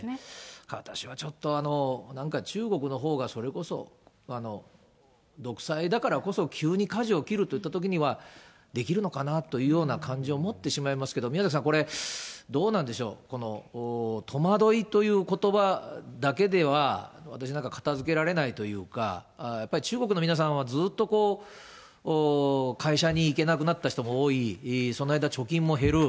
私はちょっと、なんか中国のほうが、それこそ、独裁だからこそ、急にかじを切るといったときにはできるのかなというような感じを持ってしまいますけど、宮崎さん、これ、どうなんでしょう、この戸惑いということばだけでは、私なんか片づけられないというか、やっぱり中国の皆さんは、ずっと会社に行けなくなった人も多い、その間貯金も減る。